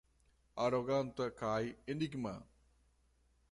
Aroganta kaj enigma.